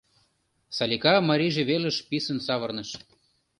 — Салика марийже велыш писын савырныш.